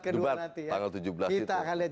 ke dua nanti kita akan lihat